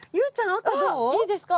あっいいですか？